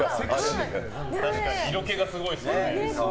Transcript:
色気がすごいですね。